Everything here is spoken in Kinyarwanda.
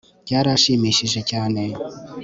byarashimishije cyane